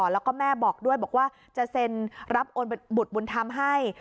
แล้วก็แม่บอกด้วยบอกว่าจะเซ็นรับโอนบุตรบุญธรรมให้